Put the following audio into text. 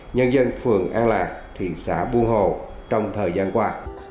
nhân dân phường an lạc thị xã buôn hồ trong thời gian qua